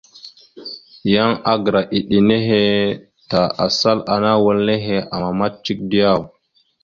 Yan agra eɗe nehe ta asal ana wal nehe amamat cek diyaw ?